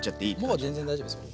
もう全然大丈夫ですよ。